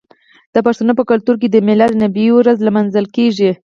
د پښتنو په کلتور کې د میلاد النبي ورځ لمانځل کیږي.